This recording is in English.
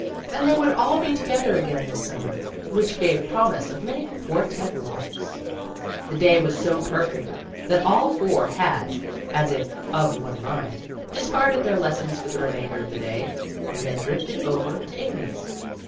And they would all be together again this sum mer, which gave promise of many Quartette larks. The day was so perfect that all four had, as if of one mind, discarded their lessons for the remainder of the day, and had drifted over to Amy's.